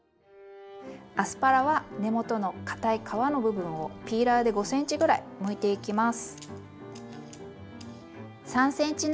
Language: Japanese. アスパラは根元のかたい皮の部分をピーラーで５ｃｍぐらいむいていきます。